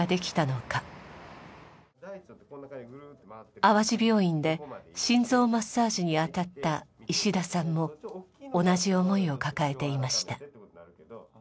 淡路病院で心臓マッサージに当たった石田さんも同じ思いを抱えていました。